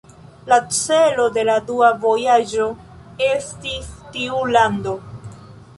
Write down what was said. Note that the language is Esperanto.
La celo de la dua vojaĝo estis tiu lando.